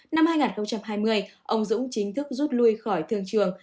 năm hai nghìn hai mươi ông dũng chính thức rút lui khỏi thương trường